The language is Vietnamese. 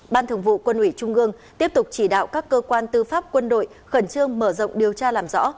ban thường vụ quân ủy trung ương tiếp tục chỉ đạo các cơ quan tư pháp quân đội khẩn trương mở rộng điều tra làm rõ